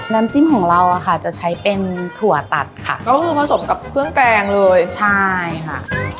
น้ำจิ้มของเราอะค่ะจะใช้เป็นถั่วตัดค่ะก็คือผสมกับเครื่องแกงเลยใช่ค่ะ